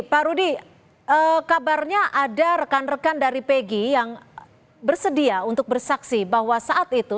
pak rudy kabarnya ada rekan rekan dari pg yang bersedia untuk bersaksi bahwa saat itu